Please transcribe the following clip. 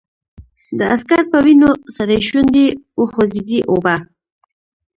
د عسکر په وينو سرې شونډې وخوځېدې: اوبه!